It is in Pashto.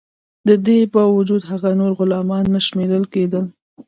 د دې باوجود هغوی نور غلامان نه شمیرل کیدل.